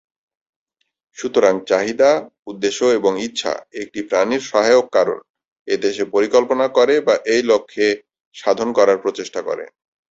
সুতরাং চাহিদা, উদ্দেশ্য এবং ইচ্ছা একটি প্রাণীর সহায়ক কারণ এতে সে পরিকল্পনা করে বা এই লক্ষ্যে সাধন করার প্রচেষ্টা করে।